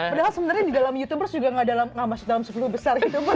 padahal sebenarnya di dalam youtubers juga nggak masuk dalam seflue besar youtubers ya